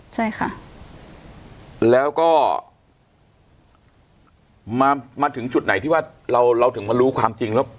ใช่ค่ะแล้วก็มามาถึงจุดไหนที่ว่าเราเราถึงมารู้ความจริงแล้ว